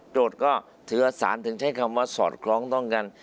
โจทย์ก็เถือสารถึงใช้คำว่าสอดคล้องต้องกัน